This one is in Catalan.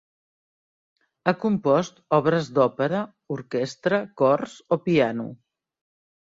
Ha compost obres d'òpera, orquestra, cors o piano.